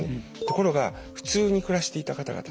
ところが普通に暮らしていた方々